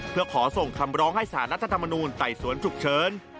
เพื่อขอส่งคำร้องให้สารรัฐธรรมนูลไต่สวนฉุกเฉิน